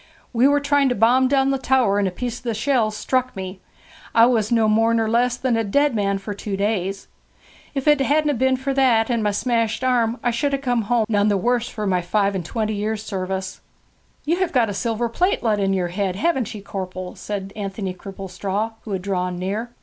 'We were trying to bomb down the tower, and a piece of the shell struck me. I was no more nor less than a dead man for two days. If it hadn't a been for that and my smashed arm I should have come home none the worse for my five and twenty years' service.' 'You have got a silver plate let into yer head, haven't ye, corpel?' said Anthony Cripplestraw, who had drawn near.